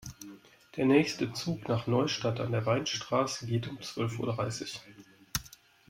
Der nächste Zug nach Neustadt an der Weinstraße geht um zwölf Uhr dreißig